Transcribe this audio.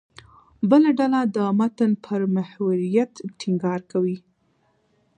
بله ډله د متن پر محوریت ټینګار کاوه.